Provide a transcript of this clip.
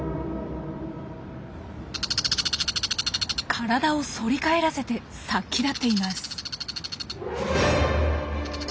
体を反り返らせて殺気立っています。